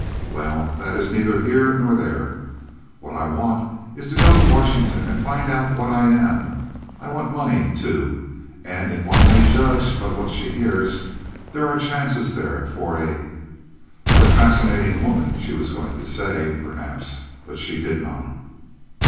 Well, that is neither here nor there; what I want, is to go to Washington and find out what I am. I want money, too; and if one may judge by what she hears, there are chances there for a ." For a fascinating woman, she was going to say, perhaps, but she did not.